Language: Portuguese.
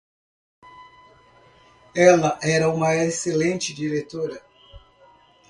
Ela era uma excelente diretora